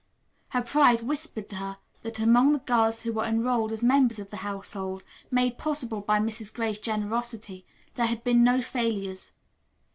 Her pride whispered to her that among the girls who were enrolled as members of the household, made possible by Mrs. Gray's generosity, there had been no failures.